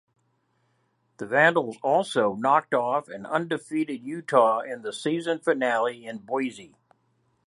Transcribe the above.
The Vandals also knocked off an undefeated Utah in the season finale in Boise.